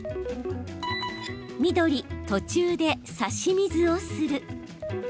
緑・途中で、さし水をする。